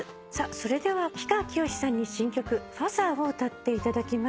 それでは氷川きよしさんに新曲『Ｆａｔｈｅｒ』を歌っていただきます。